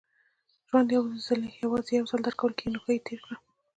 • ژوند یوازې یو ځل درکول کېږي، نو ښه یې تېر کړه.